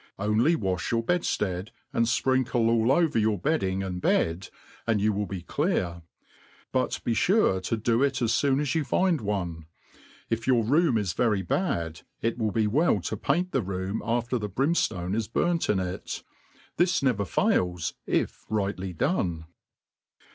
only walh your bedftead, and fprinkk all over your bedding and bed, and you will be clear ; but be fure to do il as foon as you find one. If your room is very bad, it wjll be well to paint tne room after the brimftone is burnt in it. . This never fail*, if rightly done.